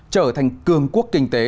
trở thành cường quốc kinh tế